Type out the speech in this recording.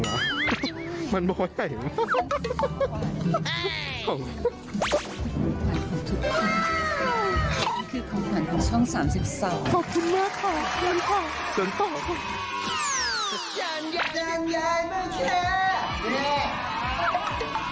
อุ๊ยไม่ถึงทำกับฉันนะที่มาของไฮโซบัวใหญ่ฉันไม่ถ่ายไปได้จริง